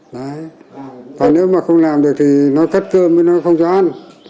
đấy còn nếu mà không làm được thì nó cắt cơm với nó không cho ăn